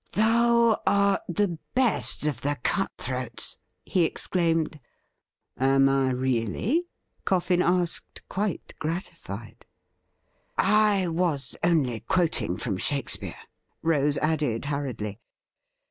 ' Thou art the best of the cut throats !' he exclaimed. * Am I really ?' Coffin asked, quite gratified. •I was only quoting from Shakespeare,' Rose added hurriedly.